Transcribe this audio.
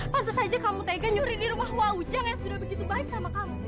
pantes aja kamu taiga nyuri di rumah wawujang yang sudah begitu baik sama kamu